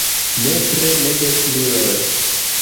Nepre ne dekmiloj.